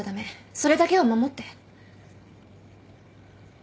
それだけは守って。